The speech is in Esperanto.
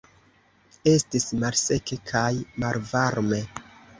Estis malseke kaj malvarme.